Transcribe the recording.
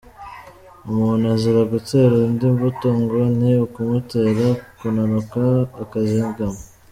Umuntu azira gutera undi imbuto, ngo ni ukumutera kunanuka akazingama.